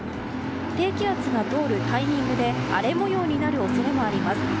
低気圧が通るタイミングで荒れ模様になる恐れもあります。